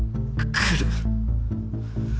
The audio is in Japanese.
来る。